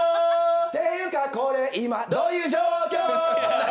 ていうか、これ今どういう状況。